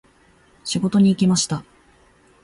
仕事に行きました。